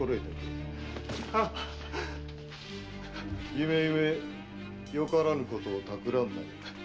ゆめゆめよからぬことを企むなよ。